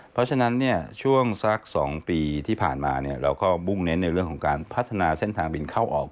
เพราะฉะนั้นช่วงสัก๒ปีที่ผ่านมาเราก็มุ่งเน้นในเรื่องของการพัฒนาเส้นทางบินเข้าออก